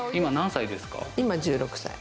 今１６歳。